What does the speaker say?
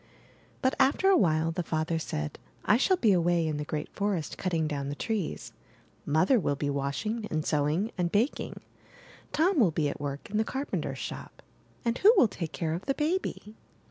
But after a while the father said: *1 shall be away in the great forest cutting down the trees; Mother will be washing and sewing and baking; Tom will be at work in the carpenter's shop; and who will take care of the baby?''